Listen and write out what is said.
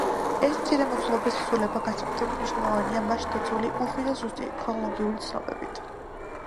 ეს მცირე მოცულობის თხზულება განსაკუთრებით მნიშვნელოვანია მასში დაცული უხვი და ზუსტი ქრონოლოგიური ცნობებით.